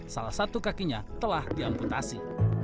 salah satu kakinya telah diamputasi